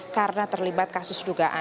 karena terlibat kasus dugaan